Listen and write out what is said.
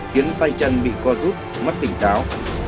khiến tay chân bị co rút mất tỉnh tháo